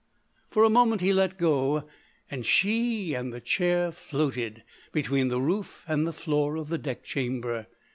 For a moment he let go, and she and the chair floated between the roof and the floor of the deck chamber.